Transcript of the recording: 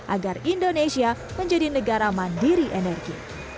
agar indonesia menjadi negara mandiri energi